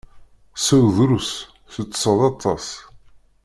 Sew drus, teṭṭseḍ aṭas.